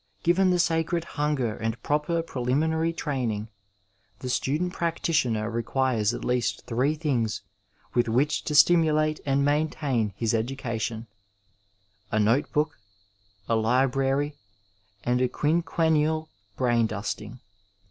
Given the sacred hunger and proper preliminary train ing, the student practitioner requires at least three things with which to stimulate and maintain his education, a notebook, a Ubrary, and a quinquennial braindusting.